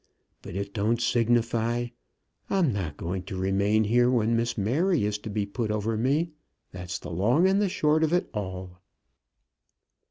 But it don't signify; I'm not going to remain here when Miss Mary is to be put over me. That's the long and the short of it all."